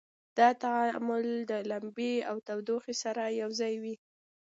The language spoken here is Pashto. دا تعامل له لمبې او تودوخې سره یو ځای وي.